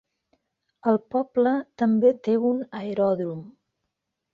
El poble també té un aeròdrom.